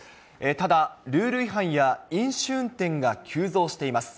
ただ、ルール違反や飲酒運転が急増しています。